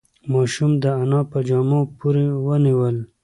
ماشوم د انا په جامو پورې ونیول.